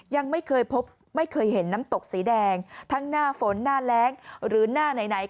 ยังไม่เคยพบไม่เคยเห็นน้ำตกสีแดงทั้งหน้าฝนหน้าแรงหรือหน้าไหน